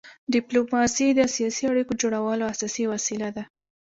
ډيپلوماسي د سیاسي اړیکو جوړولو اساسي وسیله ده.